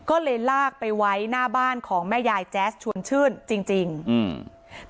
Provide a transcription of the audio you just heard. ก็เลยลากไปไว้หน้าบ้านของแม่ยายแจ๊สชวนชื่นจริงจริงอืม